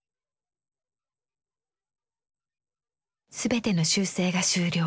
全ての修正が終了。